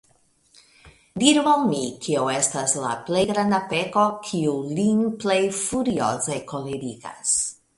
Diru al mi, kio estas la plej granda peko, kiu lin plej furioze kolerigas?